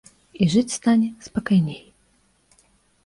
І жыць стане спакайней.